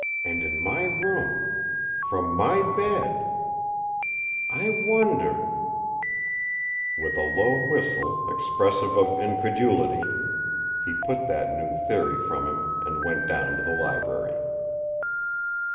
And in my room, from my bed "I wonder " With a low whistle, expressive of incredulity, he put that new theory from him and went down to the library.